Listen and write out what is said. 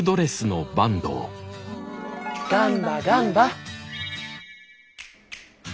ガンバガンバ！